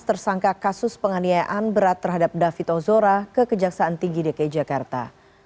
tersangka kasus penganiayaan berat terhadap david ozora ke kejaksaan tinggi dki jakarta